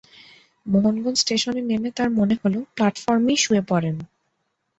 মোহনগঞ্জ স্টেশনে নেমে তাঁর মনে হলো, প্লাটফরমেই শুয়ে পড়েন।